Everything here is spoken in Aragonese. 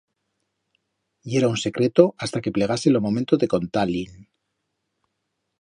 Yera un secreto hasta que plegase lo momento de contar-li'n.